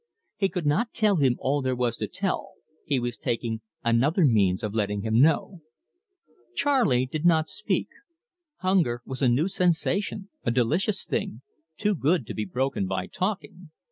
He could not tell him all there was to tell, he was taking another means of letting him know. Charley did not speak. Hunger was a new sensation, a delicious thing, too good to be broken by talking.